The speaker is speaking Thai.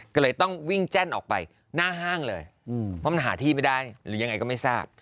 ก็เลยต้องวิ่งแจ้นออกไปหน้าห้างเลยเพราะมันหาที่ไม่ได้หรือยังไงก็ไม่ทราบ